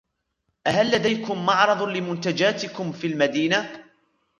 هل لديكم معرض لمنتجاتكم في المدينة ؟